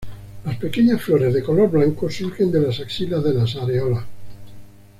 Las pequeñas flores de color blanco surgen de las axilas de las areolas.